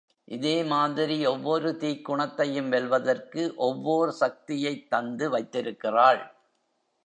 இதே மாதிரி ஒவ்வொரு தீக்குணத்தையும் வெல்வதற்கு ஒவ்வோர் சக்தியைத் தந்து வைத்திருக்கிறாள்.